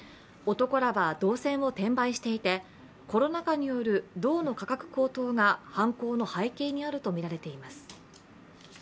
男らは銅線を転売していてコロナ禍による銅の価格高騰が犯行の背景にあるとみられています。